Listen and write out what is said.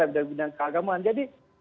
ada bidang keagamaan jadi